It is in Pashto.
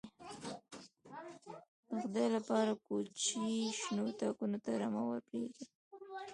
_د خدای له پاره، کوچي شنو تاکونو ته رمه ور پرې اېښې.